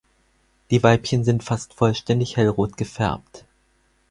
Die Weibchen sind fast vollständig hellrot gefärbt.